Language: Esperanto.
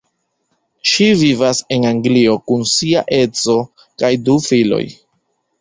Ŝi vivas en Anglio kun sia edzo kaj du filoj.